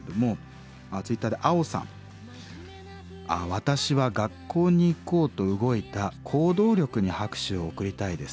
「私は学校に行こうと動いた行動力に拍手を送りたいです。